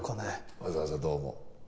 わざわざどうも。